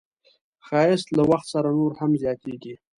ښایست له وخت سره نور هم زیاتېږي